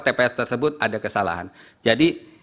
tps tersebut ada kesalahan jadi